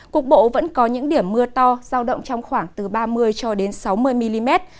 cục bộ vẫn có những điểm mưa to giao động trong khoảng từ ba mươi cho đến sáu mươi mm